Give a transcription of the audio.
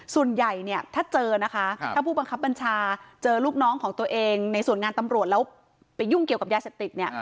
ส่วนใหญ่เนี่ยถ้าเจอนะคะถ้าผู้บังคับบัญชาเจอลูกน้องของตัวเองในส่วนงานตำรวจแล้วไปยุ่งเกี่ยวกับยาเสพติดเนี่ย